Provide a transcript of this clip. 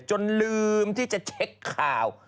จนลืมที่จะเช็คข่าว